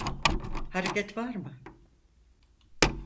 Hareket var mı?